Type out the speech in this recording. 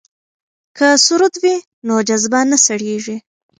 که سرود وي نو جذبه نه سړیږي.